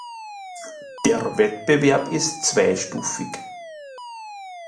Der Wettbewerb ist zweistufig.